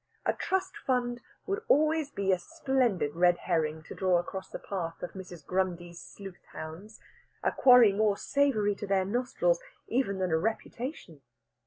A trust fund would always be a splendid red herring to draw across the path of Mrs. Grundy's sleuth hounds a quarry more savoury to their nostrils even than a reputation.